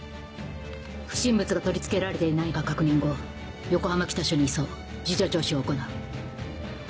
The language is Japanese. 不審物が取り付けられていないか確認後横浜北署に移送事情聴取を行う。